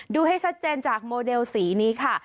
ดูให้ชัดเจนจากโมเดลสีนี้ค่ะ